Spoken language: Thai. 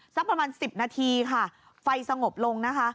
สักประมาณ๑๐นาทีค่ะไฟสงบลงนะคะ